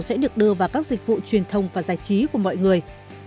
sẽ được đưa vào các dịch vụ truyền thông và giải trí của mọi người